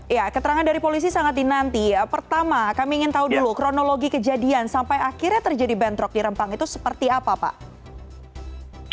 ya keterangan dari polisi sangat dinanti pertama kami ingin tahu dulu kronologi kejadian sampai akhirnya terjadi bentrok di rempang itu seperti apa pak